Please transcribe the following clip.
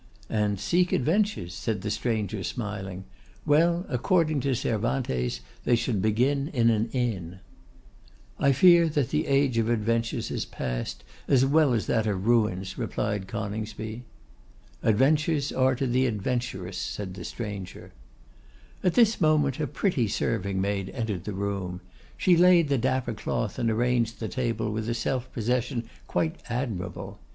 'And seek adventures,' said the stranger, smiling, 'Well, according to Cervantes, they should begin in an inn.' 'I fear that the age of adventures is past, as well as that of ruins,' replied Coningsby. 'Adventures are to the adventurous,' said the stranger. At this moment a pretty serving maid entered the room. She laid the dapper cloth and arranged the table with a self possession quite admirable.